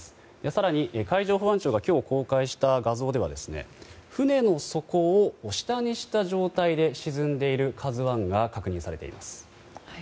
更に海上保安庁が今日、公開した画像では船の底を下にした状態で沈んでいる「ＫＡＺＵ１」が確認されています。